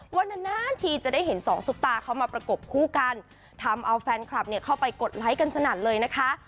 ว่านานนานทีจะได้เห็นสองซุปตาเขามาประกบคู่กันทำเอาแฟนคลับเนี่ยเข้าไปกดไลค์กันสนั่นเลยนะคะ